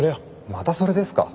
またそれですか？